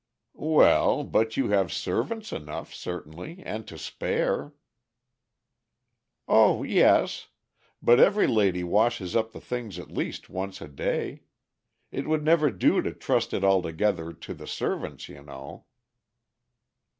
"Well, but you have servants enough, certainly, and to spare." "O yes! but every lady washes up the things at least once a day. It would never do to trust it altogether to the servants, you know."